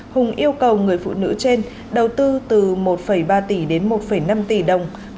hùng yêu cầu người phụ nữ trên đầu tư từ một ba tỷ đến một năm tỷ đồng